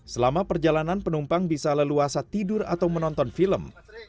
selama perjalanan penumpang bisa leluasa tidur atau menonton film